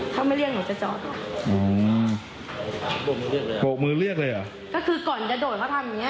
เขาไม่เรียกหนูจะจอดอ๋อบวกมือเรียกเลยเหรอก็คือก่อนจะโดดเขาทำอย่างเงี้ย